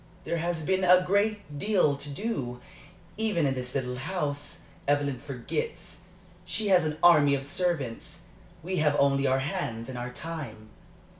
"There has been a great deal to do, even in this little house. Evelyn forgets; she has an army of servants; we have only our hands and our time."